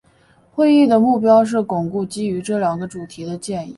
会议的目标是巩固基于这两个主题的建议。